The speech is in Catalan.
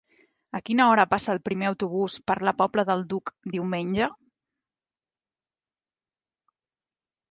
A quina hora passa el primer autobús per la Pobla del Duc diumenge?